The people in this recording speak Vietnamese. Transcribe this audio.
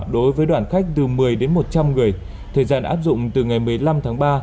đối với đoàn khách từ một mươi đến một trăm linh người thời gian áp dụng từ ngày một mươi năm tháng ba